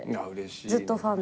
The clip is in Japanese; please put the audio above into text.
ずっとファンで。